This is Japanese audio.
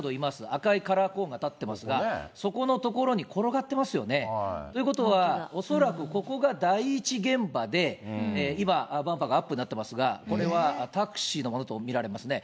赤いカラーコーンが立ってますが、そこの所に転がってますよね。ということは、恐らく、ここが第１現場で、今、バンパーがアップになってますが、これはタクシーのものと見られますね。